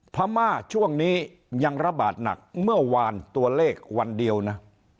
พม่าช่วงนี้ยังระบาดหนักเมื่อวานตัวเลขวันเดียวนะ